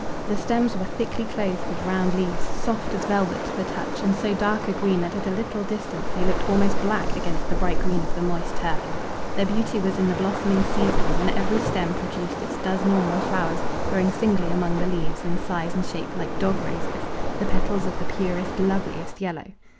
The stems were thickly clothed with round leaves, soft as velvet to the touch and so dark a green that at a little distance they looked almost black against the bright green of the moist turf. Their beauty was in the blossoming season, when every stem produced its dozen or more flowers growing singly among the leaves, in size and shape like dog roses, the petals of the purest, loveliest yellow.